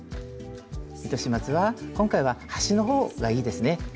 糸始末は今回は端の方がいいですね。